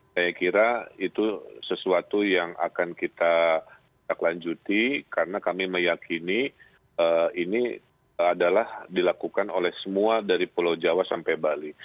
saya kira itu sesuatu yang akan kita lanjuti karena kami meyakini ini adalah dilakukan oleh semua dari pulau jawa sampai bali